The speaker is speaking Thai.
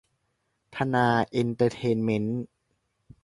ธนาเอนเตอร์เทนเม้นท์